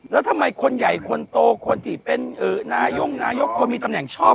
แล้วทำไมคนใหญ่คนโตคนที่เป็นนายกนายกคนมีตำแหน่งชอบ